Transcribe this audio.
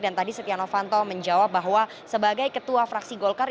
dan tadi setia novanto menjawab bahwa sebagai ketua fraksi golkar